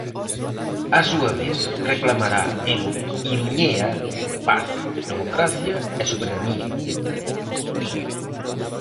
Á súa vez, reclamará en Iruñea "paz, democracia e soberanía".